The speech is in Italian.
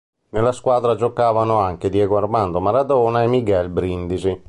Nella squadra giocavano anche Diego Armando Maradona e Miguel Brindisi.